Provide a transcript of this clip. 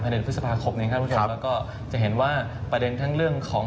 ประเด็นพฤษภาคบเนี้ยครับทุกคนครับแล้วก็จะเห็นว่าประเด็นทั้งเรื่องของ